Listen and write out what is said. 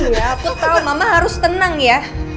iya aku tau mama harus tenang ya